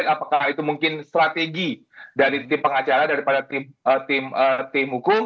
jadi kami sudah melihat strategi dari tim pengacara dari tim hukum